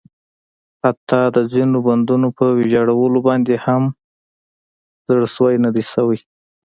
حتٰی د ځینو بندونو په ویجاړولو باندې هم زړه سوی نه ده شوی.